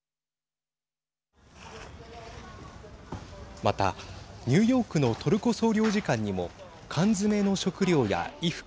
また、ニューヨークのトルコ総領事館にも缶詰の食料や衣服